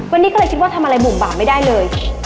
วันนี้ก็เลยคิดว่าทำอะไรบุ่มบาปไม่ได้เลย